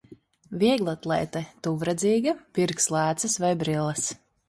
Vieglatlēte tuvredzīga, pirks lēcas vai brilles.